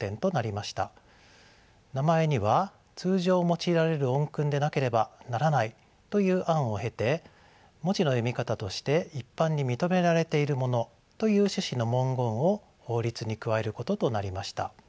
名前には通常用いられる音訓でなければならないという案を経て文字の読み方として一般に認められているものという趣旨の文言を法律に加えることとなりました。